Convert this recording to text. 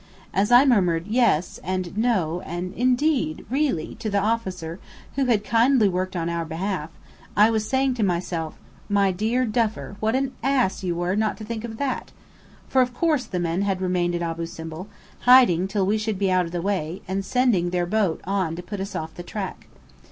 As I murmured "Yes," and "No," and "Indeed Really!" to the officer, who had kindly worked on our behalf, I was saying to myself, "My dear Duffer, what an ass you were not to think of that!" For of course the men had remained at Abu Simbel, hiding till we should be out of the way, and sending their boat on to put us off the track.